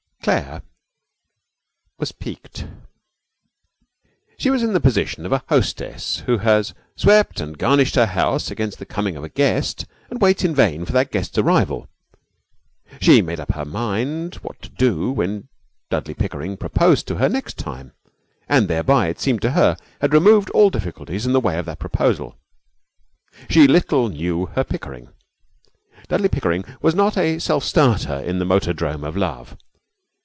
Claire was piqued. She was in the position of a hostess who has swept and garnished her house against the coming of a guest and waits in vain for that guest's arrival. She made up her mind what to do when Dudley Pickering proposed to her next time, and thereby, it seemed to her, had removed all difficulties in the way of that proposal. She little knew her Pickering! Dudley Pickering was not a self starter in the motordrome of love.